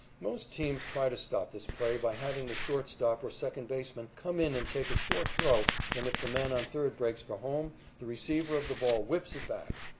Most teams try to stop this play by having the shortstop or second baseman come in and take a short throw, and if the man on third breaks for home, the receiver of the ball whips it back.